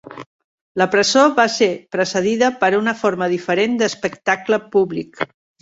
La presó va ser precedida per una forma diferent d'espectacle públic.